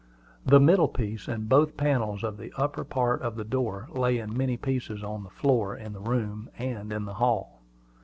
The middle piece and both panels of the upper part of the door lay in many pieces on the floor, in the room, and in the hall.